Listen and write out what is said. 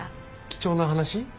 貴重な話？